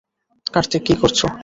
কার্তিক, কী করছো?